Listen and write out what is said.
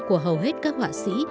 của hầu hết các họa sĩ